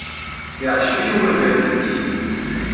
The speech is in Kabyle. Yeɛjeb-iyi umagrad-nnek.